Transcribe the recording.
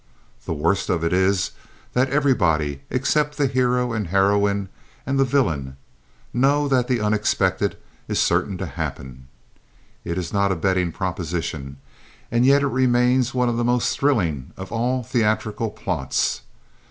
The worst of it is that everybody, except the hero and the heroine and the villain, knows that the unexpected is certain to happen. It is not a betting proposition and yet it remains one of the most thrilling of all theatrical plots.